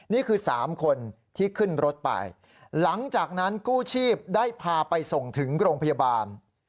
นี่คือ๓คนที่ขึ้นรถไปหลังจากนั้นกู้ชีพได้พาไปส่งถึงโรงพยาบาล